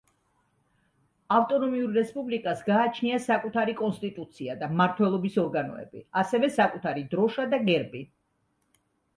ავტონომიურ რესპუბლიკას გააჩნია საკუთარი კონსტიტუცია და მმართველობის ორგანოები, ასევე საკუთარი დროშა და გერბი.